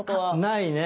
ないね。